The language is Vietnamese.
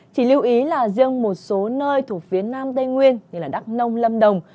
chỉ lưu ý là riêng một số nơi thuộc phía nam tây nguyên đặc nông lâm đồng